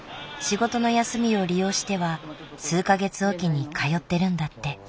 仕事の休みを利用しては数か月おきに通ってるんだって。